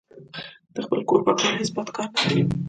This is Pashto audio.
د خپل کور پاکول هیڅ بد کار نه ده.